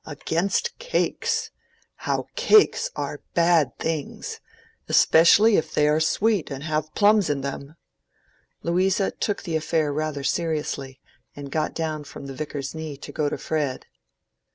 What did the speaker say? Against cakes: how cakes are bad things, especially if they are sweet and have plums in them." Louisa took the affair rather seriously, and got down from the Vicar's knee to go to Fred.